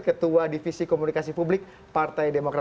ketua divisi komunikasi publik partai demokrat